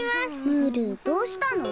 ムールどうしたの？